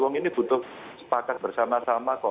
wong ini butuh sepakat bersama sama kok